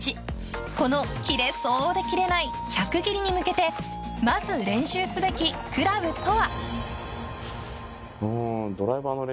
この切れそうで切れない１００切りに向けてまず練習すべきクラブとは。